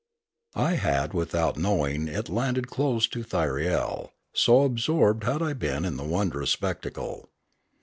I had without knowing it landed close to Thyriel, so absorbed had I been in the wondrous spectacle.